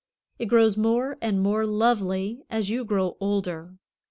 It grows more and more lovely as you grow older.